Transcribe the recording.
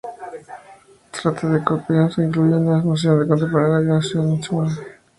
Trata con tópicos que incluyen la noción contemporánea de una "ciudad simulada".